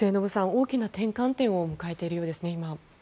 大きな転換点を迎えているようですね。